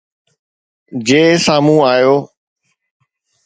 جي سامهون آيو